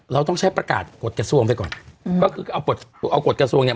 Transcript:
เราต้องใช้ประกาศกฎกระทรวงไปก่อนอืมก็คือเอากฎกระทรวงเนี้ย